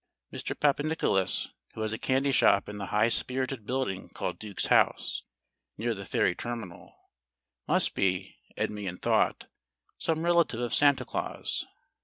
Mr. Pappanicholas, who has a candy shop in the high spirited building called Duke's House, near the ferry terminal, must be (Endymion thought) some relative of Santa Claus.